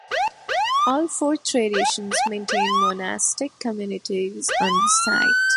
All four traditions maintain monastic communities on the site.